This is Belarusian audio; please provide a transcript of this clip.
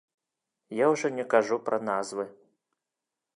Я ужо не кажу пра назвы.